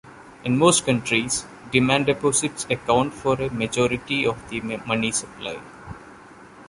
In most countries, demand deposits account for a majority of the money supply.